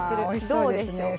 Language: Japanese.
どうでしょう？